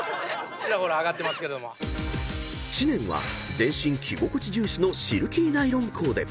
［知念は全身着心地重視のシルキーナイロンコーデ］